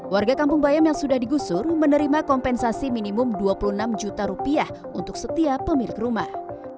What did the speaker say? warga kampung bayam yang sudah digusur menerima kompensasi minimum dua puluh enam juta rupiah untuk setiap pemilik rumah